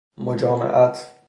مجامعت